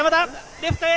レフトへ。